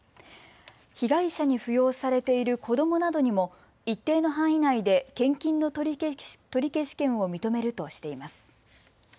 被害者に扶養されている子どもなどにも一定の範囲内で献金の取消権を認めるとしています。